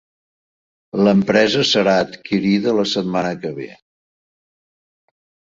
L'empresa serà adquirida la setmana que ve.